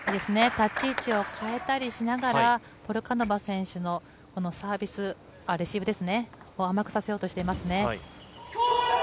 立ち位置を変えたりしながら、ポルカノバ選手のこのレシーブ、甘くさせようとしていますね。